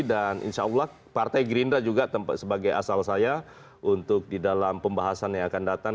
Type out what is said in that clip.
dan insya allah partai gerindra juga sebagai asal saya untuk di dalam pembahasan yang akan datang